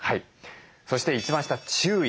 そして一番下「注意」。